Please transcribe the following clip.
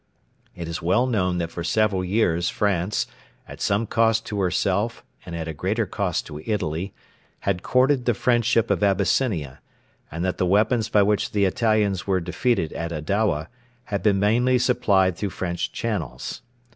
It is well known that for several years France, at some cost to herself and at a greater cost to Italy, had courted the friendship of Abyssinia, and that the weapons by which the Italians were defeated at Adowa had been mainly supplied through French channels.